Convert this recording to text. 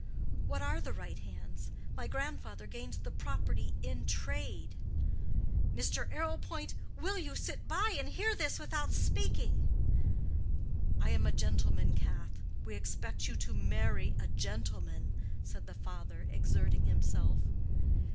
"What are the right hands? My grandfather gained the property in trade." "Mr. Arrowpoint, will you sit by and hear this without speaking?" "I am a gentleman, Cath. We expect you to marry a gentleman," said the father, exerting himself.